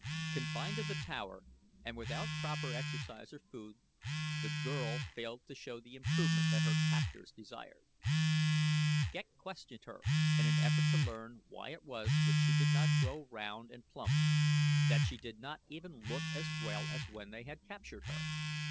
Confined to the tower and without proper exercise or food, the girl failed to show the improvement that her captors desired. Ghek questioned her in an effort to learn why it was that she did not grow round and plump; that she did not even look as well as when they had captured her.